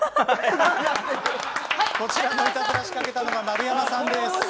こちらのイタズラ仕掛けたのは丸山さんです。